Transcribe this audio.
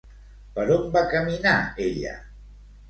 Per on va caminar ella?